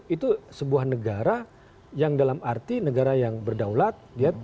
itu sebuah negara yang dalam arti negara yang berdaulat